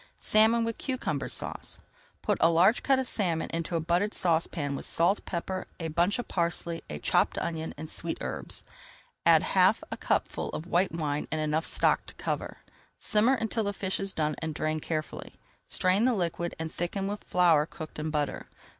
SALMON WITH CUCUMBER SAUCE Put a large cut of salmon into a buttered saucepan with salt, pepper, a bunch of parsley, a chopped onion, and sweet herbs. Add half a cupful of white wine and enough stock to cover. Simmer until the fish is done and drain carefully. Strain the liquid and thicken with flour cooked in butter.